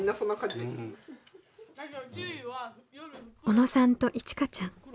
小野さんといちかちゃん。